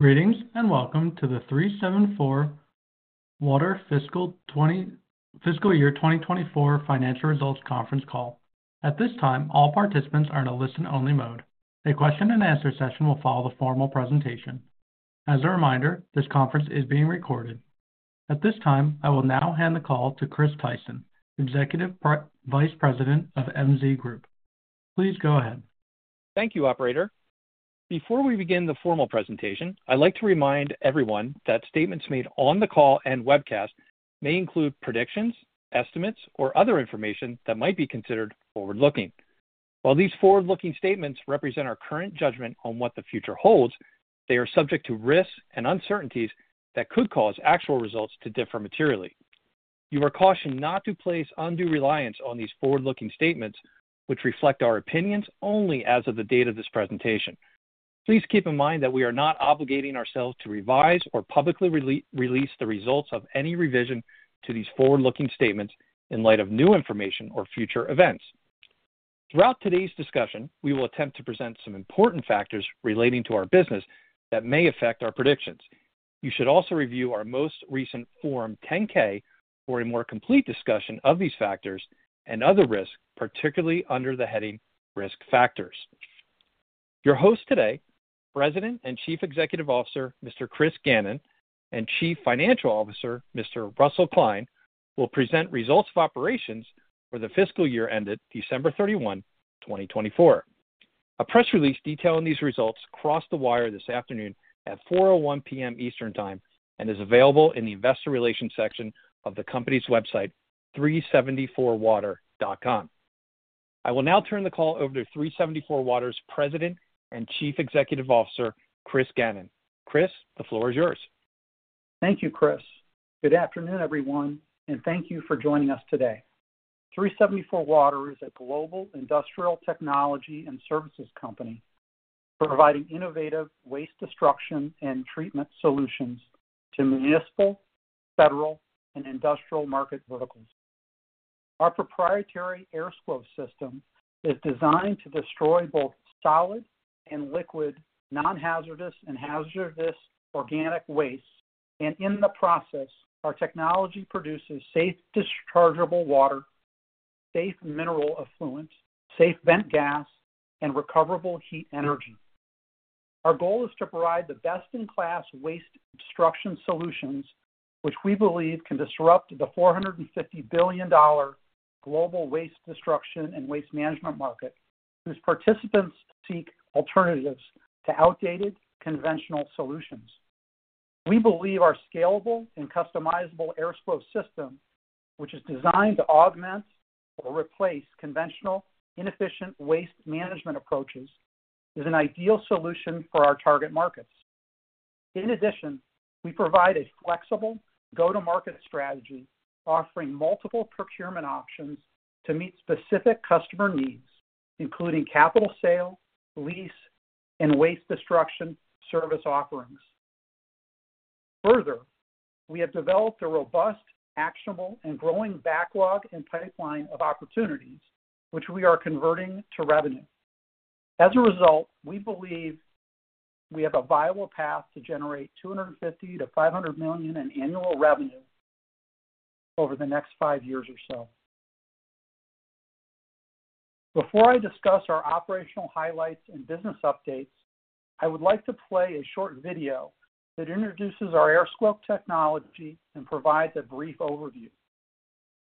Greetings and welcome to the 374Water Fiscal Year 2024 Financial Results Conference Call. At this time, all participants are in a listen-only mode. A question-and-answer session will follow the formal presentation. As a reminder, this conference is being recorded. At this time, I will now hand the call to Chris Tyson, Executive Vice President of MZ Group. Please go ahead. Thank you, Operator. Before we begin the formal presentation, I'd like to remind everyone that statements made on the call and webcast may include predictions, estimates, or other information that might be considered forward-looking. While these forward-looking statements represent our current judgment on what the future holds, they are subject to risks and uncertainties that could cause actual results to differ materially. You are cautioned not to place undue reliance on these forward-looking statements, which reflect our opinions only as of the date of this presentation. Please keep in mind that we are not obligating ourselves to revise or publicly release the results of any revision to these forward-looking statements in light of new information or future events. Throughout today's discussion, we will attempt to present some important factors relating to our business that may affect our predictions. You should also review our most recent Form 10-K for a more complete discussion of these factors and other risks, particularly under the heading Risk Factors. Your hosts today, President and Chief Executive Officer Mr. Chris Gannon, and Chief Financial Officer Mr. Russell Kline, will present results of operations for the fiscal year ended December 31, 2024. A press release detailing these results crossed the wire this afternoon at 4:01 P.M. Eastern Time and is available in the Investor Relations section of the company's website, 374water.com. I will now turn the call over to 374Water's President and Chief Executive Officer, Chris Gannon. Chris, the floor is yours. Thank you, Chris. Good afternoon, everyone, and thank you for joining us today. 374Water is a global industrial technology and services company providing innovative waste destruction and treatment solutions to municipal, federal, and industrial market verticals. Our proprietary AirSCWO system is designed to destroy both solid and liquid, non-hazardous and hazardous organic waste, and in the process, our technology produces safe dischargeable water, safe mineral effluent, safe vent gas, and recoverable heat energy. Our goal is to provide the best-in-class waste destruction solutions, which we believe can disrupt the $450 billion global waste destruction and waste management market, whose participants seek alternatives to outdated conventional solutions. We believe our scalable and customizable AirSCWO system, which is designed to augment or replace conventional inefficient waste management approaches, is an ideal solution for our target markets. In addition, we provide a flexible go-to-market strategy, offering multiple procurement options to meet specific customer needs, including capital sale, lease, and waste destruction service offerings. Further, we have developed a robust, actionable, and growing backlog and pipeline of opportunities, which we are converting to revenue. As a result, we believe we have a viable path to generate $250-$500 million in annual revenue over the next five years or so. Before I discuss our operational highlights and business updates, I would like to play a short video that introduces our AirSCWO technology and provides a brief overview.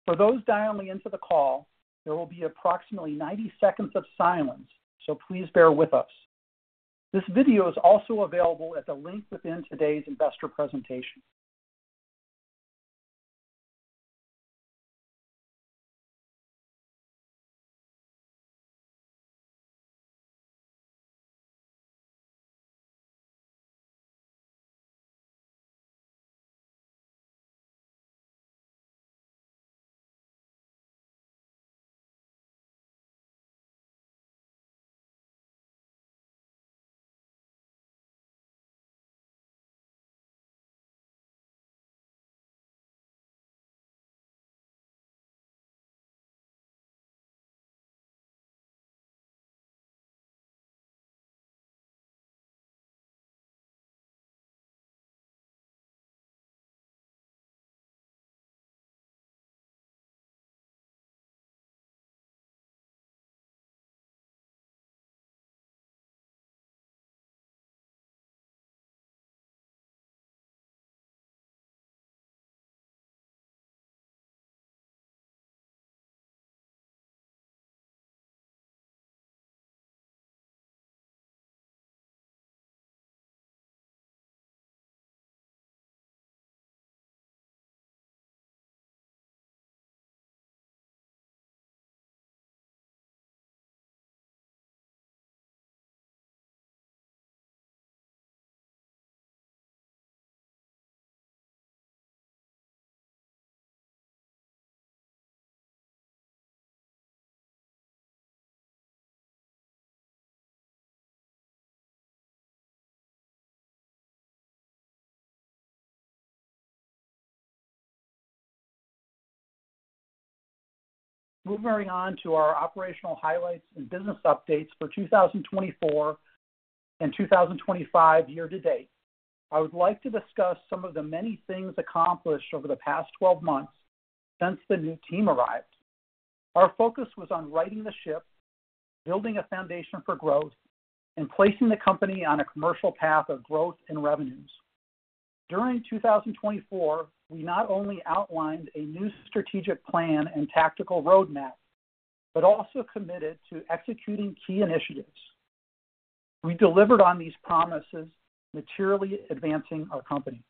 For those dialing into the call, there will be approximately 90 seconds of silence, so please bear with us. This video is also available at the link within today's investor presentation. Moving on to our operational highlights and business updates for 2024 and 2025 year-to-date, I would like to discuss some of the many things accomplished over the past 12 months since the new team arrived. Our focus was on righting the ship, building a foundation for growth, and placing the company on a commercial path of growth and revenues. During 2024, we not only outlined a new strategic plan and tactical roadmap, but also committed to executing key initiatives. We delivered on these promises, materially advancing our company.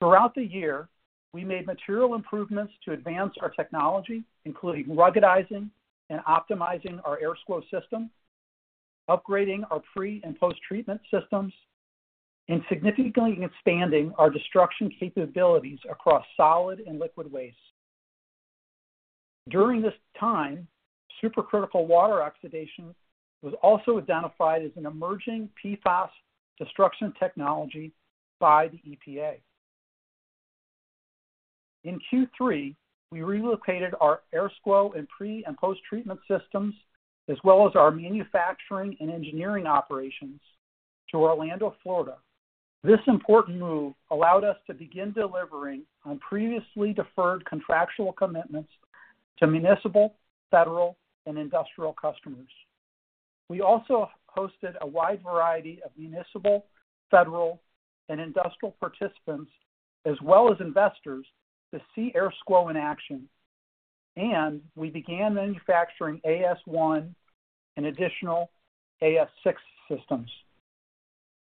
Throughout the year, we made material improvements to advance our technology, including ruggedizing and optimizing our AirSCWO system, upgrading our pre- and post-treatment systems, and significantly expanding our destruction capabilities across solid and liquid waste. During this time, supercritical water oxidation was also identified as an emerging PFAS destruction technology by the EPA. In Q3, we relocated our AirSCWO and pre- and post-treatment systems, as well as our manufacturing and engineering operations, to Orlando, Florida. This important move allowed us to begin delivering on previously deferred contractual commitments to municipal, federal, and industrial customers. We also hosted a wide variety of municipal, federal, and industrial participants, as well as investors, to see AirSCWO in action, and we began manufacturing AS1 and additional AS6 systems.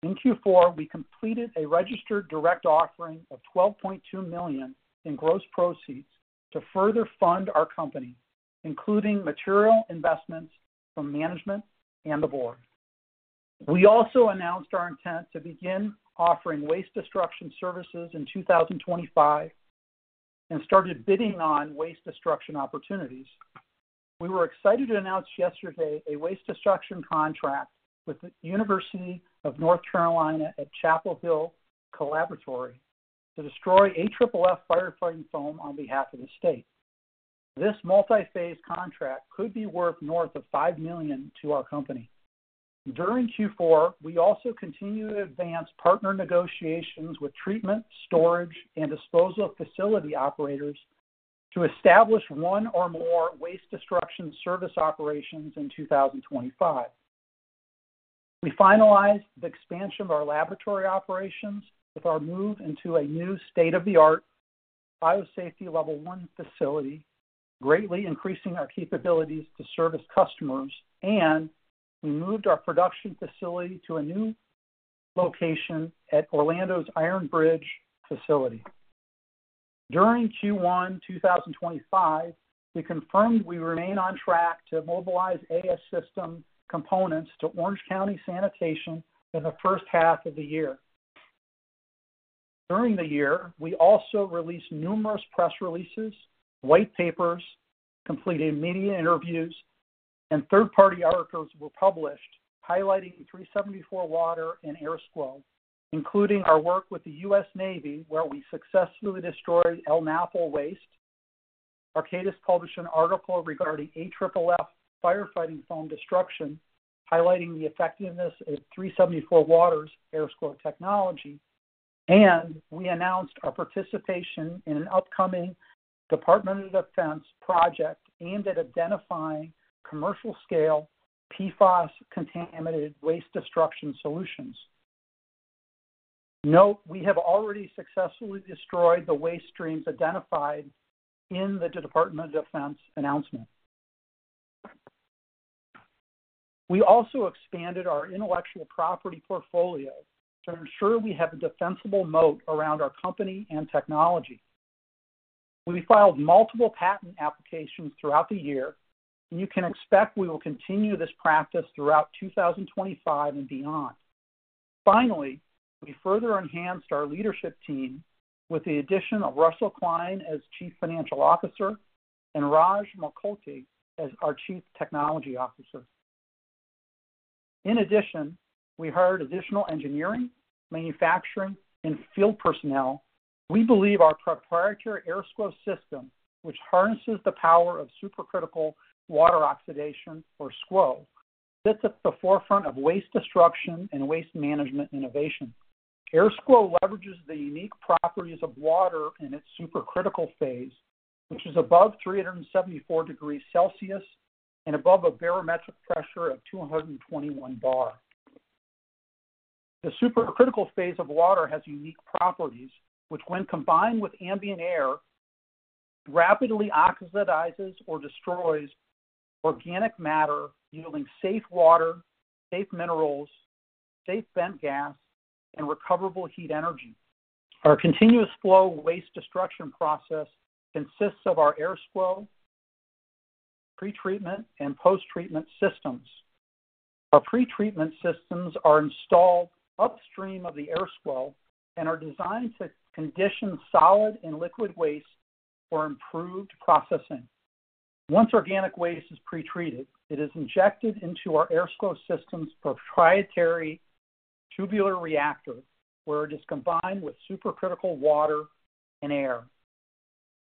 In Q4, we completed a registered direct offering of $12.2 million in gross proceeds to further fund our company, including material investments from management and the board. We also announced our intent to begin offering waste destruction services in 2025 and started bidding on waste destruction opportunities. We were excited to announce yesterday a waste destruction contract with the University of North Carolina at Chapel Hill Collaboratory to destroy AFFF firefighting foam on behalf of the state. This multi-phase contract could be worth north of $5 million to our company. During Q4, we also continued to advance partner negotiations with treatment, storage, and disposal facility operators to establish one or more waste destruction service operations in 2025. We finalized the expansion of our laboratory operations with our move into a new state-of-the-art biosafety level one facility, greatly increasing our capabilities to service customers, and we moved our production facility to a new location at Orlando's Iron Bridge facility. During Q1 2025, we confirmed we remain on track to mobilize AS system components to Orange County Sanitation District in the first half of the year. During the year, we also released numerous press releases, white papers, completed media interviews, and third-party articles were published highlighting 374Water and AirSCWO, including our work with the U.S. Navy, where we successfully destroyed AFFF waste. Arcadis published an article regarding AFFF firefighting foam destruction, highlighting the effectiveness of 374Water's AirSCWO technology, and we announced our participation in an upcoming Department of Defense project aimed at identifying commercial-scale PFAS-contaminated waste destruction solutions. Note, we have already successfully destroyed the waste streams identified in the Department of Defense announcement. We also expanded our intellectual property portfolio to ensure we have a defensible moat around our company and technology. We filed multiple patent applications throughout the year, and you can expect we will continue this practice throughout 2025 and beyond. Finally, we further enhanced our leadership team with the addition of Russell Kline as Chief Financial Officer and Raj Melkote as our Chief Technology Officer. In addition, we hired additional engineering, manufacturing, and field personnel. We believe our proprietary AirSCWO system, which harnesses the power of supercritical water oxidation, or SCWO, sits at the forefront of waste destruction and waste management innovation. AirSCWO leverages the unique properties of water in its supercritical phase, which is above 374 degrees Celsius and above a barometric pressure of 221 bar. The supercritical phase of water has unique properties, which, when combined with ambient air, rapidly oxidizes or destroys organic matter, yielding safe water, safe minerals, safe vent gas, and recoverable heat energy. Our continuous flow waste destruction process consists of our AirSCWO, pre-treatment, and post-treatment systems. Our pre-treatment systems are installed upstream of the AirSCWO and are designed to condition solid and liquid waste for improved processing. Once organic waste is pre-treated, it is injected into our AirSCWO system's proprietary tubular reactor, where it is combined with supercritical water and air.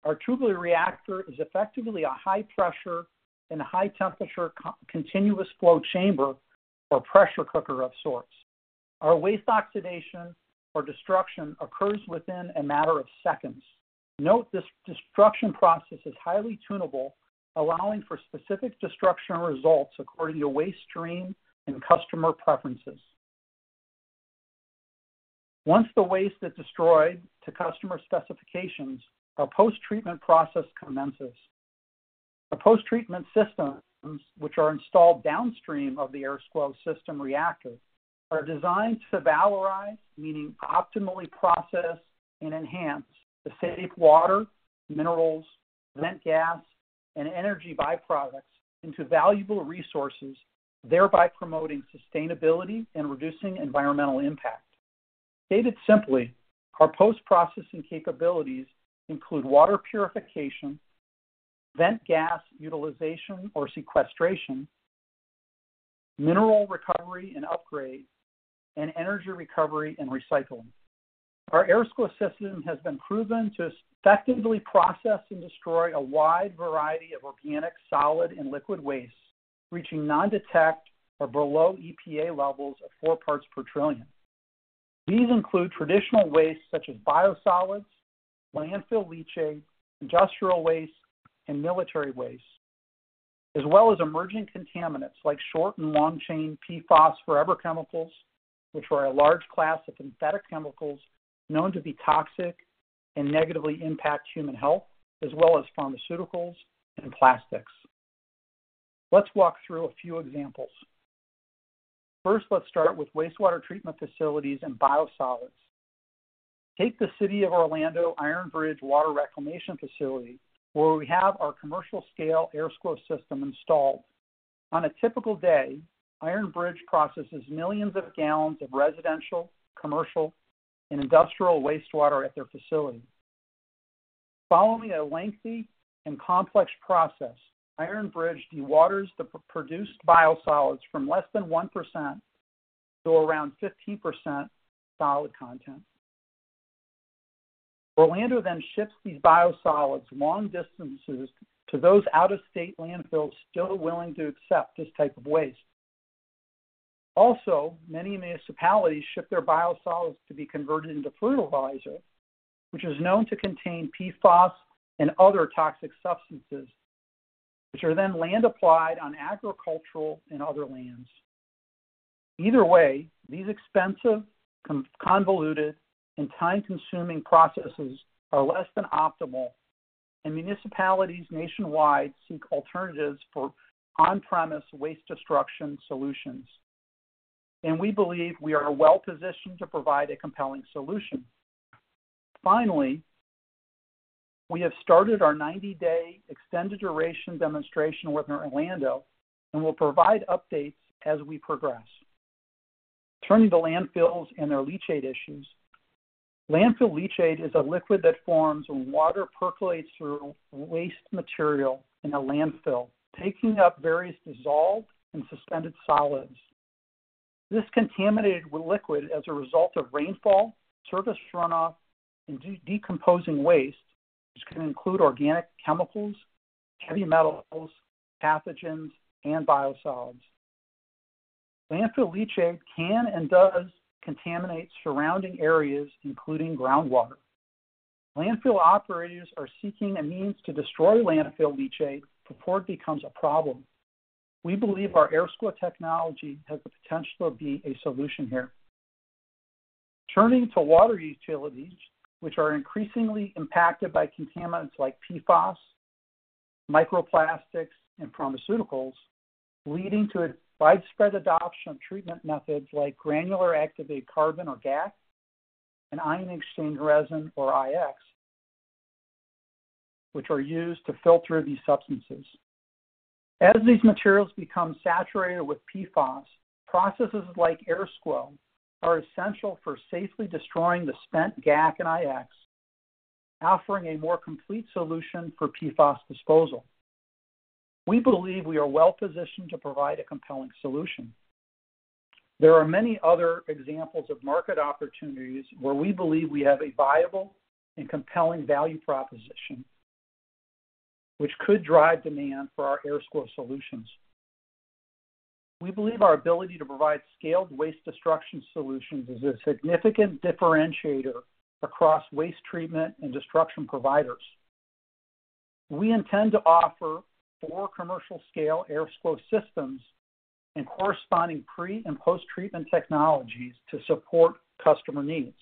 Our tubular reactor is effectively a high-pressure and high-temperature continuous flow chamber or pressure cooker of sorts. Our waste oxidation or destruction occurs within a matter of seconds. Note, this destruction process is highly tunable, allowing for specific destruction results according to waste stream and customer preferences. Once the waste is destroyed to customer specifications, our post-treatment process commences. Our post-treatment systems, which are installed downstream of the AirSCWO system reactor, are designed to valorize, meaning optimally process and enhance the safe water, minerals, vent gas, and energy byproducts into valuable resources, thereby promoting sustainability and reducing environmental impact. Stated simply, our post-processing capabilities include water purification, vent gas utilization or sequestration, mineral recovery and upgrade, and energy recovery and recycling. Our AirSCWO system has been proven to effectively process and destroy a wide variety of organic, solid, and liquid waste, reaching non-detect or below EPA levels of four parts per trillion. These include traditional waste such as biosolids, landfill leachate, industrial waste, and military waste, as well as emerging contaminants like short and long-chain PFAS forever chemicals, which are a large class of synthetic chemicals known to be toxic and negatively impact human health, as well as pharmaceuticals and plastics. Let's walk through a few examples. First, let's start with wastewater treatment facilities and biosolids. Take the City of Orlando Iron Bridge Water Reclamation Facility, where we have our commercial-scale AirSCWO system installed. On a typical day, Iron Bridge processes millions of gallons of residential, commercial, and industrial wastewater at their facility. Following a lengthy and complex process, Iron Bridge dewaters the produced biosolids from less than 1% to around 15% solid content. Orlando then ships these biosolids long distances to those out-of-state landfills still willing to accept this type of waste. Also, many municipalities ship their biosolids to be converted into fertilizer, which is known to contain PFAS and other toxic substances, which are then land-applied on agricultural and other lands. Either way, these expensive, convoluted, and time-consuming processes are less than optimal, and municipalities nationwide seek alternatives for on-premise waste destruction solutions. We believe we are well-positioned to provide a compelling solution. Finally, we have started our 90-day extended duration demonstration with Orlando and will provide updates as we progress. Turning to landfills and their leachate issues, landfill leachate is a liquid that forms when water percolates through waste material in a landfill, taking up various dissolved and suspended solids. This contaminated liquid, as a result of rainfall, surface runoff, and decomposing waste, which can include organic chemicals, heavy metals, pathogens, and biosolids. Landfill leachate can and does contaminate surrounding areas, including groundwater. Landfill operators are seeking a means to destroy landfill leachate before it becomes a problem. We believe our AirSCWO technology has the potential to be a solution here. Turning to water utilities, which are increasingly impacted by contaminants like PFAS, microplastics, and pharmaceuticals, leading to a widespread adoption of treatment methods like granular activated carbon or GAC, and ion exchange resin or IX, which are used to filter these substances. As these materials become saturated with PFAS, processes like AirSCWO are essential for safely destroying the spent GAC and IX, offering a more complete solution for PFAS disposal. We believe we are well-positioned to provide a compelling solution. There are many other examples of market opportunities where we believe we have a viable and compelling value proposition, which could drive demand for our AirSCWO solutions. We believe our ability to provide scaled waste destruction solutions is a significant differentiator across waste treatment and destruction providers. We intend to offer four commercial-scale AirSCWO systems and corresponding pre- and post-treatment technologies to support customer needs.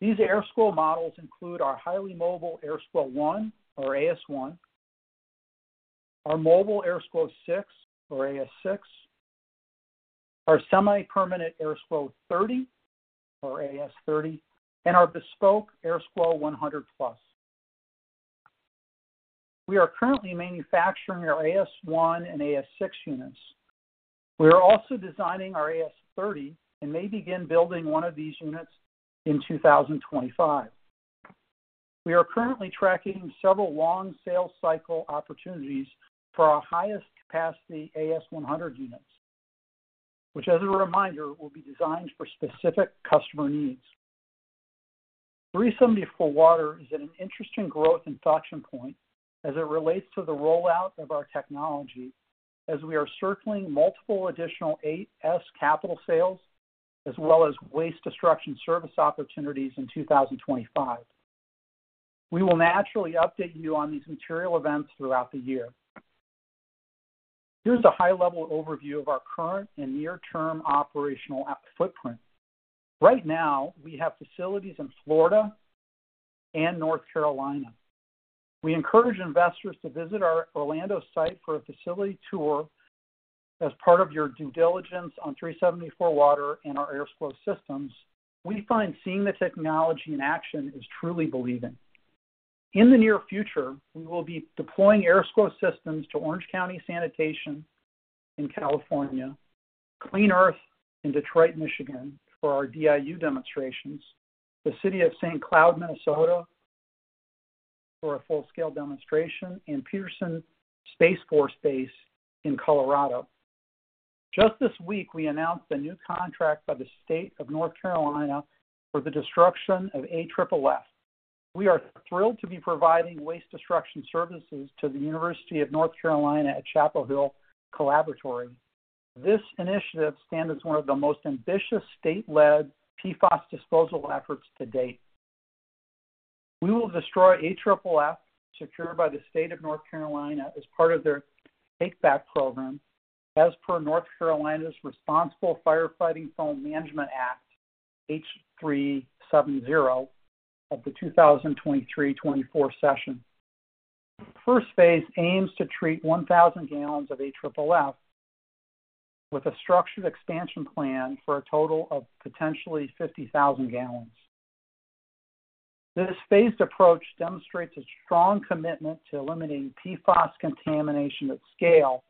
These AirSCWO models include our highly mobile AS1, our mobile AS6, our semi-permanent AS30, and our bespoke AS100 plus. We are currently manufacturing our AS1 and AS6 units. We are also designing our AS30 and may begin building one of these units in 2025. We are currently tracking several long sales cycle opportunities for our highest capacity AS100 units, which, as a reminder, will be designed for specific customer needs. 374Water is at an interesting growth inflection point as it relates to the rollout of our technology, as we are circling multiple additional AS capital sales, as well as waste destruction service opportunities in 2025. We will naturally update you on these material events throughout the year. Here is a high-level overview of our current and near-term operational footprint. Right now, we have facilities in Florida and North Carolina. We encourage investors to visit our Orlando site for a facility tour as part of your due diligence on 374Water and our AirSCWO systems. We find seeing the technology in action is truly believing. In the near future, we will be deploying AirSCWO systems to Orange County Sanitation in California, Clean Earth in Detroit, Michigan, for our DIU demonstrations, the City of St. Cloud, Minnesota, for a full-scale demonstration, and Peterson Space Force Base in Colorado. Just this week, we announced a new contract by the State of North Carolina for the destruction of AFFF. We are thrilled to be providing waste destruction services to the University of North Carolina at Chapel Hill Collaboratory. This initiative stands as one of the most ambitious state-led PFAS disposal efforts to date. We will destroy AFFF, secured by the State of North Carolina as part of their take-back program, as per North Carolina's Responsible Firefighting Foam Management Act, H370, of the 2023-2024 session. The first phase aims to treat 1,000 gallons of AFFF with a structured expansion plan for a total of potentially 50,000 gallons. This phased approach demonstrates a strong commitment to eliminating PFAS contamination at scale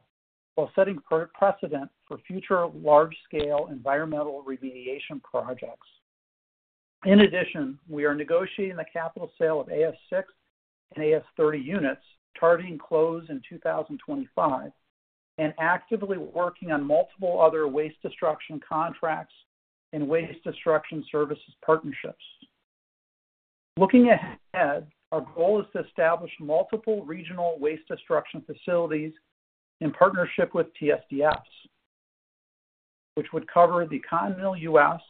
while setting precedent for future large-scale environmental remediation projects. In addition, we are negotiating the capital sale of AS6 and AS30 units, targeting close in 2025, and actively working on multiple other waste destruction contracts and waste destruction services partnerships. Looking ahead, our goal is to establish multiple regional waste destruction facilities in partnership with TSDFs, which would cover the Continental U.S.,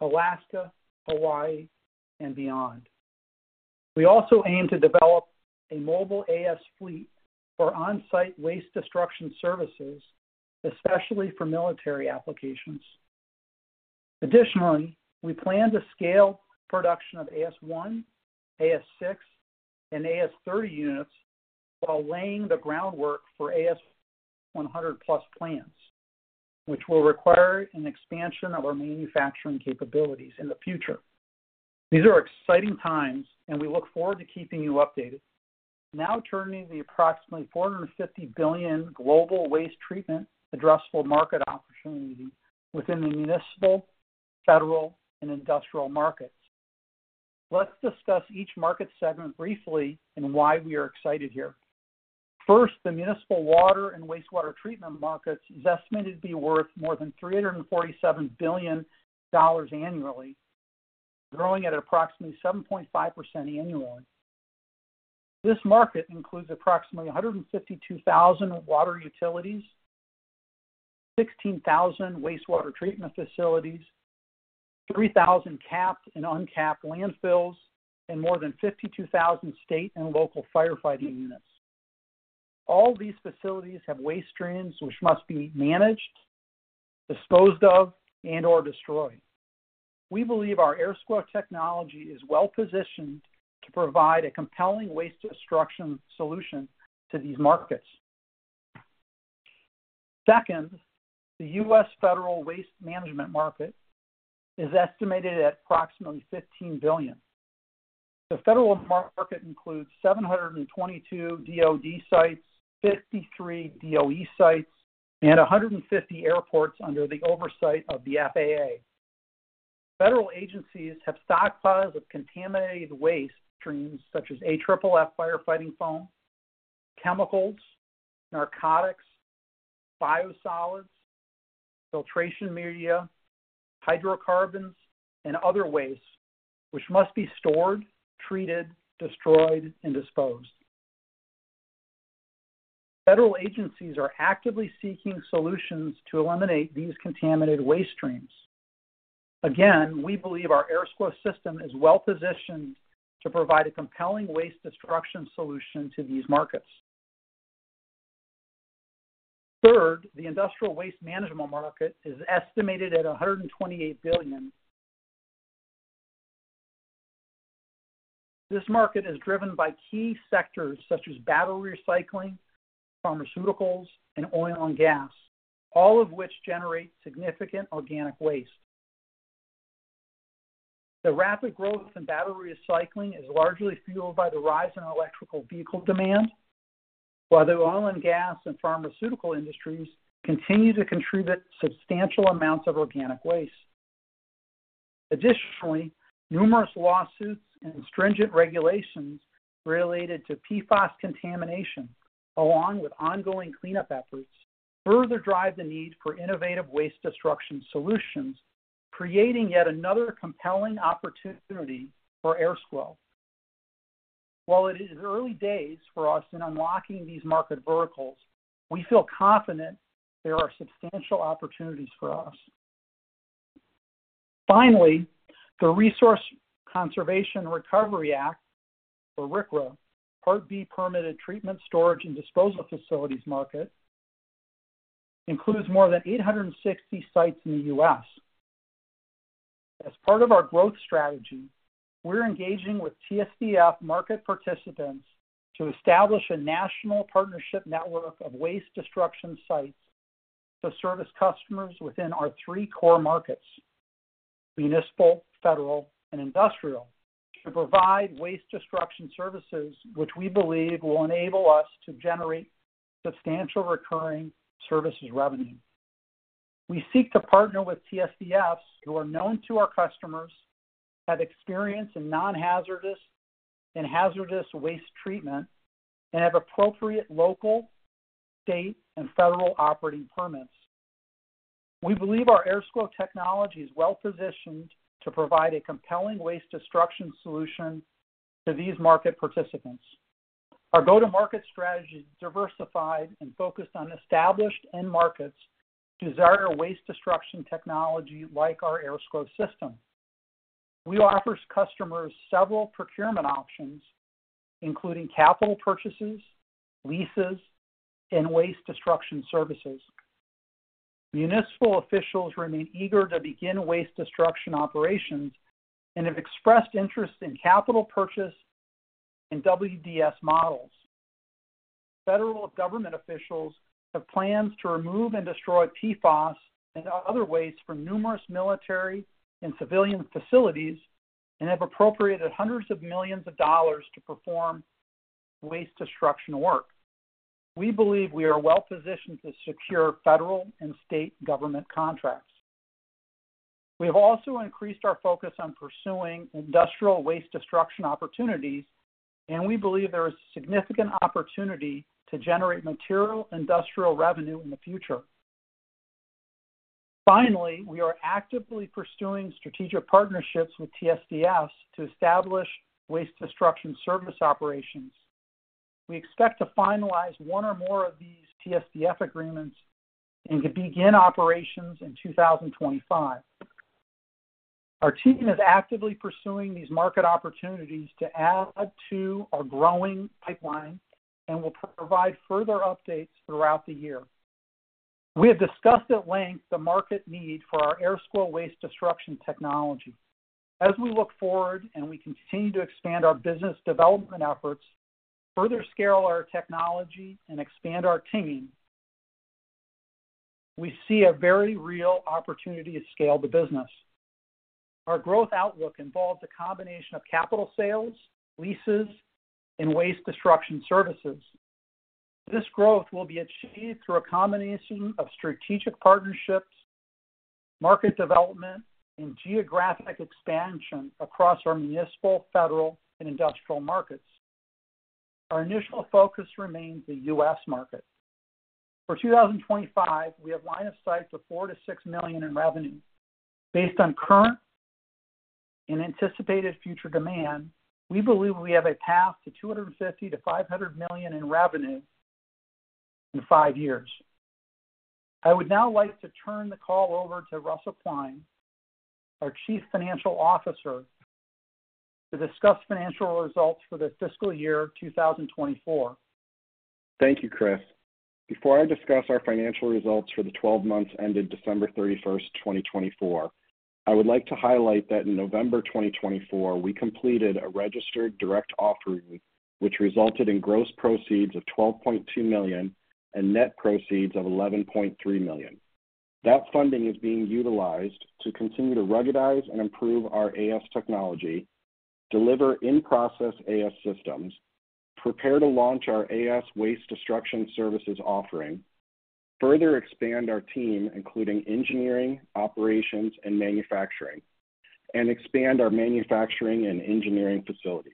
Alaska, Hawaii, and beyond. We also aim to develop a mobile AS fleet for on-site waste destruction services, especially for military applications. Additionally, we plan to scale production of AS1, AS6, and AS30 units while laying the groundwork for AS100 plus plants, which will require an expansion of our manufacturing capabilities in the future. These are exciting times, and we look forward to keeping you updated. Now, turning to the approximately $450 billion global waste treatment addressable market opportunity within the municipal, federal, and industrial markets. Let's discuss each market segment briefly and why we are excited here. First, the municipal water and wastewater treatment markets is estimated to be worth more than $347 billion annually, growing at approximately 7.5% annually. This market includes approximately 152,000 water utilities, 16,000 wastewater treatment facilities, 3,000 capped and uncapped landfills, and more than 52,000 state and local firefighting units. All these facilities have waste streams which must be managed, disposed of, and/or destroyed. We believe our AirSCWO technology is well-positioned to provide a compelling waste destruction solution to these markets. Second, the U.S. federal waste management market is estimated at approximately $15 billion. The federal market includes 722 DOD sites, 53 DOE sites, and 150 airports under the oversight of the FAA. Federal agencies have stockpiles of contaminated waste streams such as AFFF firefighting foam, chemicals, narcotics, biosolids, filtration media, hydrocarbons, and other waste, which must be stored, treated, destroyed, and disposed. Federal agencies are actively seeking solutions to eliminate these contaminated waste streams. Again, we believe our AirSCWO system is well-positioned to provide a compelling waste destruction solution to these markets. Third, the industrial waste management market is estimated at $128 billion. This market is driven by key sectors such as battery recycling, pharmaceuticals, and oil and gas, all of which generate significant organic waste. The rapid growth in battery recycling is largely fueled by the rise in electrical vehicle demand, while the oil and gas and pharmaceutical industries continue to contribute substantial amounts of organic waste. Additionally, numerous lawsuits and stringent regulations related to PFAS contamination, along with ongoing cleanup efforts, further drive the need for innovative waste destruction solutions, creating yet another compelling opportunity for AirSCWO. While it is early days for us in unlocking these market verticals, we feel confident there are substantial opportunities for us. Finally, the Resource Conservation and Recovery Act, or RCRA, Part B permitted treatment, storage, and disposal facilities market includes more than 860 sites in the U.S. As part of our growth strategy, we're engaging with TSDF market participants to establish a national partnership network of waste destruction sites to service customers within our three core markets: municipal, federal, and industrial, to provide waste destruction services, which we believe will enable us to generate substantial recurring services revenue. We seek to partner with TSDFs who are known to our customers, have experience in non-hazardous and hazardous waste treatment, and have appropriate local, state, and federal operating permits. We believe our AirSCWO technology is well-positioned to provide a compelling waste destruction solution to these market participants. Our go-to-market strategy is diversified and focused on established end markets that desire waste destruction technology like our AirSCWO system. We offer customers several procurement options, including capital purchases, leases, and waste destruction services. Municipal officials remain eager to begin waste destruction operations and have expressed interest in capital purchase and WDS models. Federal government officials have plans to remove and destroy PFAS and other waste from numerous military and civilian facilities and have appropriated hundreds of millions of dollars to perform waste destruction work. We believe we are well-positioned to secure federal and state government contracts. We have also increased our focus on pursuing industrial waste destruction opportunities, and we believe there is a significant opportunity to generate material industrial revenue in the future. Finally, we are actively pursuing strategic partnerships with TSDFs to establish waste destruction service operations. We expect to finalize one or more of these TSDF agreements and can begin operations in 2025. Our team is actively pursuing these market opportunities to add to our growing pipeline and will provide further updates throughout the year. We have discussed at length the market need for our AirSCWO waste destruction technology. As we look forward and we continue to expand our business development efforts, further scale our technology, and expand our team, we see a very real opportunity to scale the business. Our growth outlook involves a combination of capital sales, leases, and waste destruction services. This growth will be achieved through a combination of strategic partnerships, market development, and geographic expansion across our municipal, federal, and industrial markets. Our initial focus remains the U.S. market. For 2025, we have a line of sight of $4 million to $6 million in revenue. Based on current and anticipated future demand, we believe we have a path to $250 million-$500 million in revenue in five years. I would now like to turn the call over to Russell Kline, our Chief Financial Officer, to discuss financial results for the fiscal year 2024. Thank you, Chris. Before I discuss our financial results for the 12 months ended December 31, 2024, I would like to highlight that in November 2024, we completed a registered direct offering, which resulted in gross proceeds of $12.2 million and net proceeds of $11.3 million. That funding is being utilized to continue to ruggedize and improve our AS technology, deliver in-process AS systems, prepare to launch our AS waste destruction services offering, further expand our team, including engineering, operations, and manufacturing, and expand our manufacturing and engineering facilities.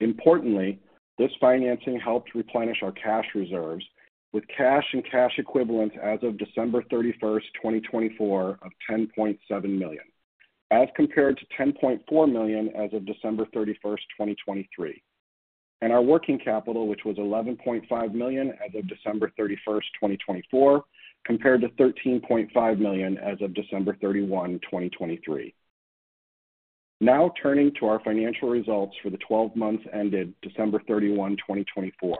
Importantly, this financing helped replenish our cash reserves with cash and cash equivalents as of December 31, 2024, of $10.7 million, as compared to $10.4 million as of December 31, 2023, and our working capital, which was $11.5 million as of December 31, 2024, compared to $13.5 million as of December 31, 2023. Now, turning to our financial results for the 12 months ended December 31, 2024,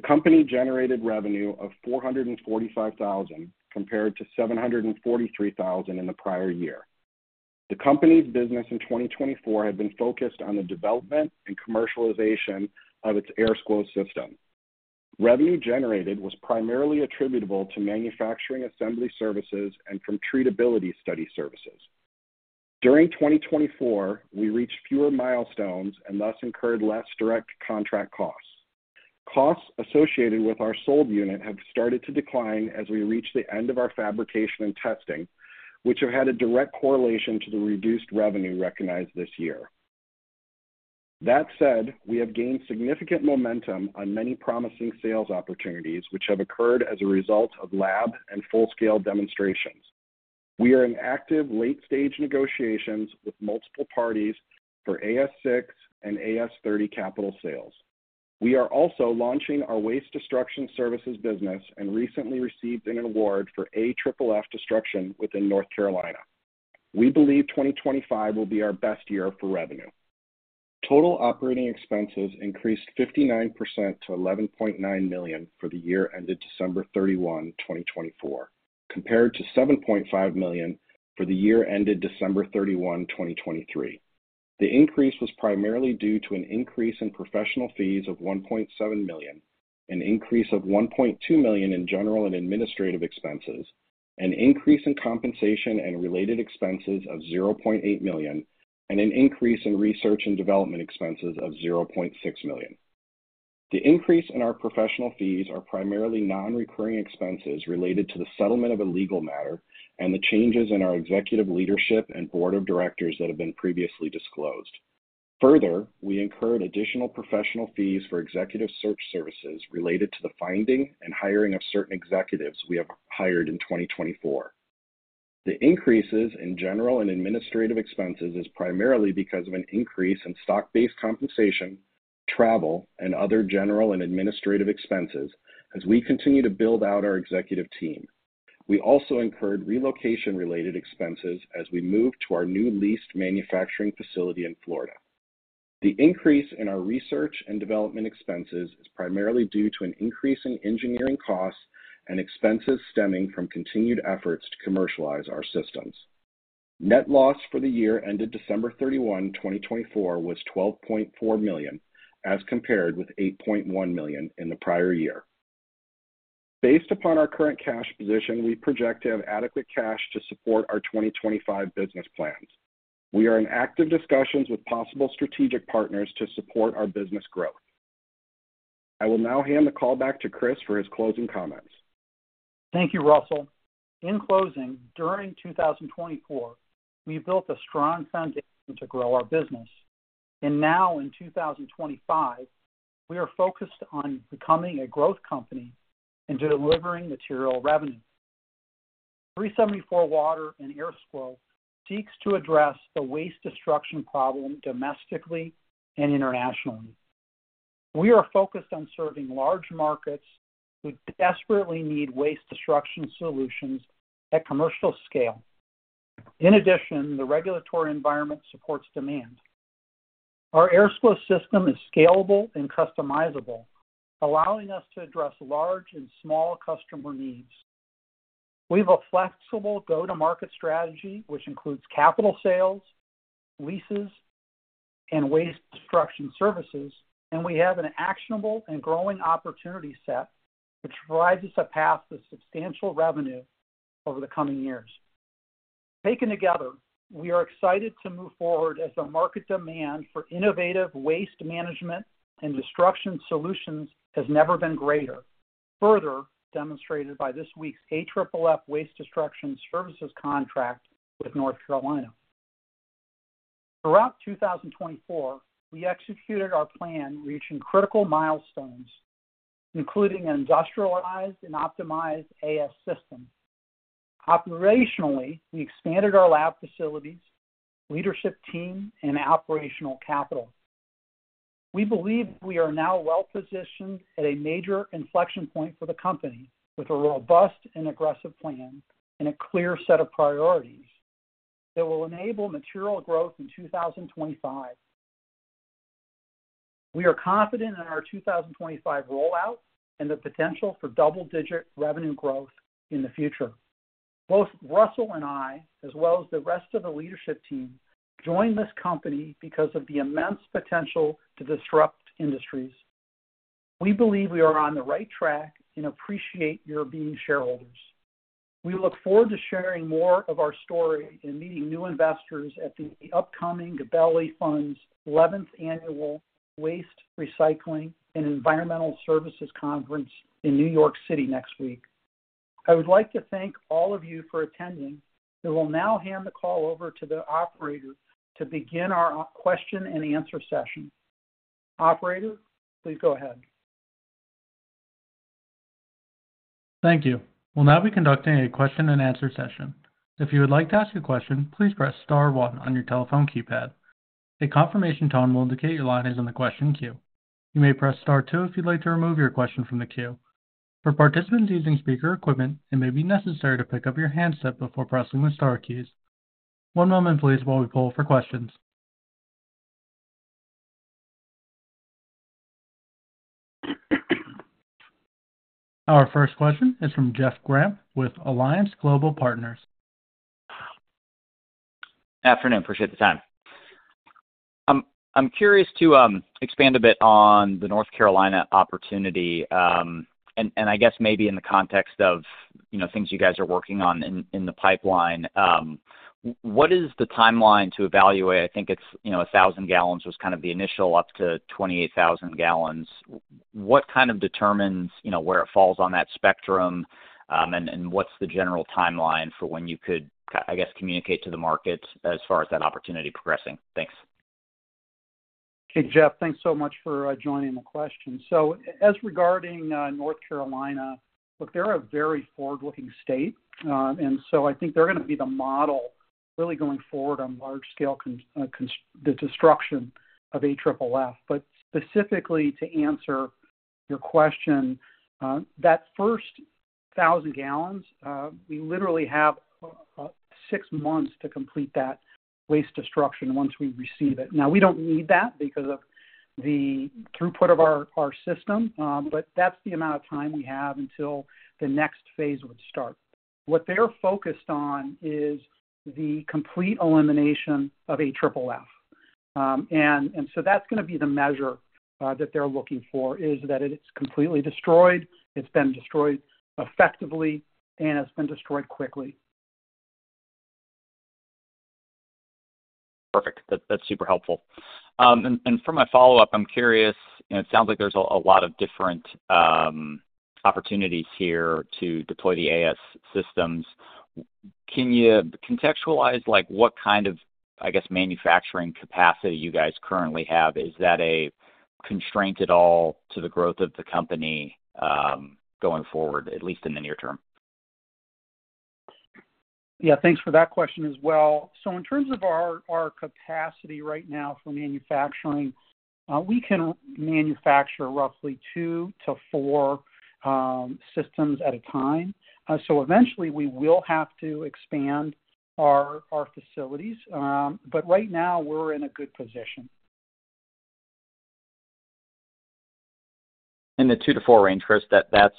the company generated revenue of $445,000 compared to $743,000 in the prior year. The company's business in 2024 had been focused on the development and commercialization of its AirSCWO system. Revenue generated was primarily attributable to manufacturing assembly services and from treatability study services. During 2024, we reached fewer milestones and thus incurred less direct contract costs. Costs associated with our sold unit have started to decline as we reach the end of our fabrication and testing, which have had a direct correlation to the reduced revenue recognized this year. That said, we have gained significant momentum on many promising sales opportunities, which have occurred as a result of lab and full-scale demonstrations. We are in active late-stage negotiations with multiple parties for AS6 and AS30 capital sales. We are also launching our waste destruction services business and recently received an award for AFFF destruction within North Carolina. We believe 2025 will be our best year for revenue. Total operating expenses increased 59% to $11.9 million for the year ended December 31, 2024, compared to $7.5 million for the year ended December 31, 2023. The increase was primarily due to an increase in professional fees of $1.7 million, an increase of $1.2 million in general and administrative expenses, an increase in compensation and related expenses of $0.8 million, and an increase in research and development expenses of $0.6 million. The increase in our professional fees is primarily non-recurring expenses related to the settlement of a legal matter and the changes in our executive leadership and board of directors that have been previously disclosed. Further, we incurred additional professional fees for executive search services related to the finding and hiring of certain executives we have hired in 2024. The increases in general and administrative expenses are primarily because of an increase in stock-based compensation, travel, and other general and administrative expenses as we continue to build out our executive team. We also incurred relocation-related expenses as we moved to our new leased manufacturing facility in Florida. The increase in our research and development expenses is primarily due to an increase in engineering costs and expenses stemming from continued efforts to commercialize our systems. Net loss for the year ended December 31, 2024, was $12.4 million, as compared with $8.1 million in the prior year. Based upon our current cash position, we project to have adequate cash to support our 2025 business plans. We are in active discussions with possible strategic partners to support our business growth. I will now hand the call back to Chris for his closing comments. Thank you, Russell. In closing, during 2024, we built a strong foundation to grow our business, and now in 2025, we are focused on becoming a growth company and delivering material revenue. 374Water and AirSCWO seeks to address the waste destruction problem domestically and internationally. We are focused on serving large markets who desperately need waste destruction solutions at commercial scale. In addition, the regulatory environment supports demand. Our AirSCWO system is scalable and customizable, allowing us to address large and small customer needs. We have a flexible go-to-market strategy, which includes capital sales, leases, and waste destruction services, and we have an actionable and growing opportunity set which provides us a path to substantial revenue over the coming years. Taken together, we are excited to move forward as the market demand for innovative waste management and destruction solutions has never been greater, further demonstrated by this week's AFFF waste destruction services contract with North Carolina. Throughout 2024, we executed our plan, reaching critical milestones, including an industrialized and optimized AS system. Operationally, we expanded our lab facilities, leadership team, and operational capital. We believe we are now well-positioned at a major inflection point for the company, with a robust and aggressive plan and a clear set of priorities that will enable material growth in 2025. We are confident in our 2025 rollout and the potential for double-digit revenue growth in the future. Both Russell and I, as well as the rest of the leadership team, join this company because of the immense potential to disrupt industries. We believe we are on the right track and appreciate your being shareholders. We look forward to sharing more of our story and meeting new investors at the upcoming Gabelli Funds 11th Annual Waste Recycling and Environmental Services Conference in New York City next week. I would like to thank all of you for attending. I will now hand the call over to the operator to begin our question and answer session. Operator, please go ahead. Thank you. We'll now be conducting a question and answer session. If you would like to ask a question, please press star one on your telephone keypad. A confirmation tone will indicate your line is in the question queue. You may press star two if you'd like to remove your question from the queue. For participants using speaker equipment, it may be necessary to pick up your handset before pressing the star keys. One moment, please, while we pull for questions. Our first question is from Jeff Grampp with Alliance Global Partners. Good afternoon. Appreciate the time. I'm curious to expand a bit on the North Carolina opportunity, and I guess maybe in the context of things you guys are working on in the pipeline. What is the timeline to evaluate? I think it's 1,000 gallons was kind of the initial up to 28,000 gallons. What kind of determines where it falls on that spectrum, and what's the general timeline for when you could, I guess, communicate to the markets as far as that opportunity progressing? Thanks. Hey, Jeff, thanks so much for joining the question. As regarding North Carolina, look, they're a very forward-looking state, and I think they're going to be the model really going forward on large-scale destruction of AFFF. Specifically to answer your question, that first 1,000 gallons, we literally have six months to complete that waste destruction once we receive it. Now, we do not need that because of the throughput of our system, but that is the amount of time we have until the next phase would start. What they are focused on is the complete elimination of AFFF. That is going to be the measure that they are looking for, that it is completely destroyed, it has been destroyed effectively, and it has been destroyed quickly. Perfect. That is super helpful. For my follow-up, I am curious, it sounds like there are a lot of different opportunities here to deploy the AS systems. Can you contextualize what kind of, I guess, manufacturing capacity you guys currently have? Is that a constraint at all to the growth of the company going forward, at least in the near term? Yeah, thanks for that question as well. In terms of our capacity right now for manufacturing, we can manufacture roughly two to four systems at a time. Eventually, we will have to expand our facilities, but right now, we're in a good position. In the two to four range, Chris, that's,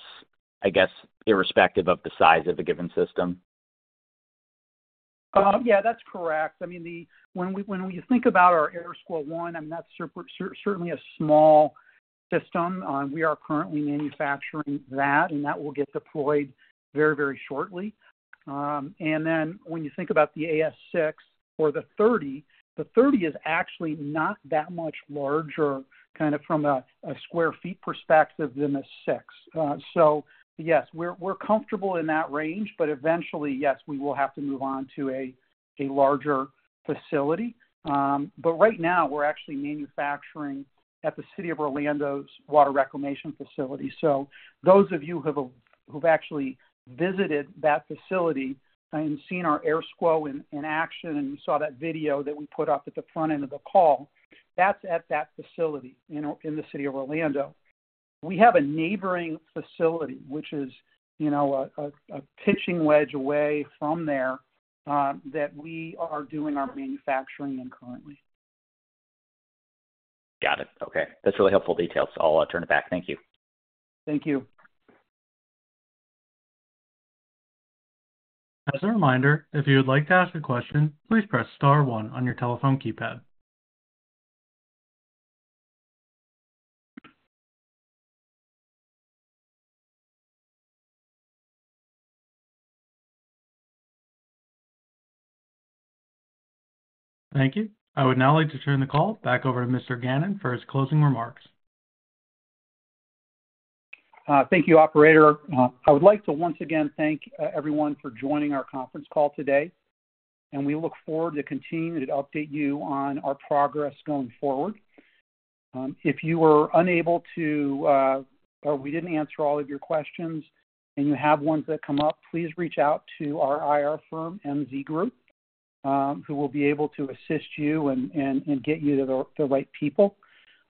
I guess, irrespective of the size of the given system? Yeah, that's correct. I mean, when we think about our AS1, I mean, that's certainly a small system. We are currently manufacturing that, and that will get deployed very, very shortly. When you think about the AS6 or the AS30, the 30 is actually not that much larger, kind of from a sq ft perspective, than the 6. Yes, we're comfortable in that range, but eventually, yes, we will have to move on to a larger facility. Right now, we're actually manufacturing at the City of Orlando's water reclamation facility. Those of you who've actually visited that facility and seen our AirSCWO in action, and you saw that video that we put up at the front end of the call, that's at that facility in the City of Orlando. We have a neighboring facility, which is a pitching wedge away from there, that we are doing our manufacturing in currently. Got it. Okay. That's really helpful details. I'll turn it back. Thank you. Thank you. As a reminder, if you would like to ask a question, please press star one on your telephone keypad. Thank you. I would now like to turn the call back over to Mr. Gannon for his closing remarks. Thank you, Operator. I would like to once again thank everyone for joining our conference call today, and we look forward to continuing to update you on our progress going forward. If you were unable to, or we did not answer all of your questions, and you have ones that come up, please reach out to our IR firm, MZ Group, who will be able to assist you and get you to the right people.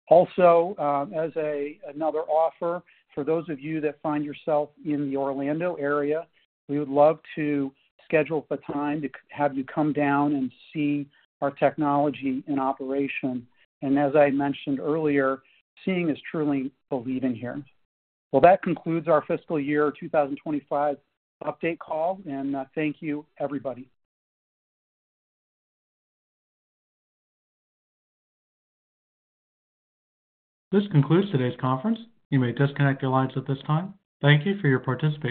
Also, as another offer, for those of you that find yourself in the Orlando area, we would love to schedule a time to have you come down and see our technology in operation. As I mentioned earlier, seeing is truly believing here. That concludes our fiscal year 2025 update call, and thank you, everybody. This concludes today's conference. You may disconnect your lines at this time. Thank you for your participation.